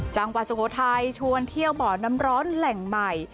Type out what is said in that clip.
สุโขทัยชวนเที่ยวบ่อน้ำร้อนแหล่งใหม่